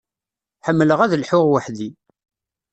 Ḥemmleɣ ad lḥuɣ weḥd-i.